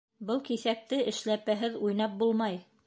Был киҫәкте эшләпәһеҙ уйнап булмай!